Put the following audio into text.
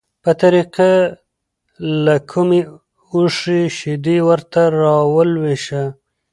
په طریقه له کومې اوښې شیدې ورته راولوشه،